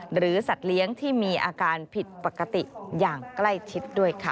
สัตว์เลี้ยงที่มีอาการผิดปกติอย่างใกล้ชิดด้วยค่ะ